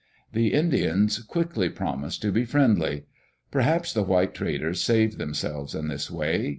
The Indians quickly promised to be friendly. Perhaps the white traders saved themselves in this way.